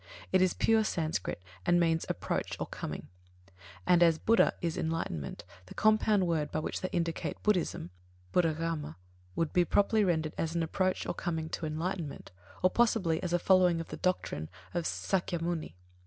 It is pure Samskrt, and means "approach, or coming"; and as "Buddha" is enlightenment, the compound word by which they indicate Buddhism Buddhāgama would be properly rendered as "an approach or coming to enlightenment," or possibly as a following of the Doctrine of SĀKYAMUNI.